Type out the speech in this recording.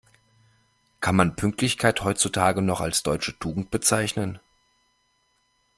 Kann man Pünktlichkeit heutzutage noch als deutsche Tugend bezeichnen?